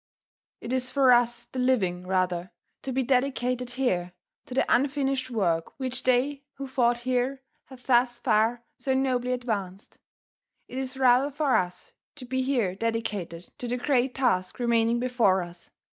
It is for us the living, rather, to be dedicated here to the unfinished work which they who fought here have thus far so nobly advanced. It is rather for us to be here dedicated to the great task remaining before us.